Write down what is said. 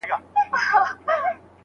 استاد به د موضوع په اړه پرېکړه وکړي.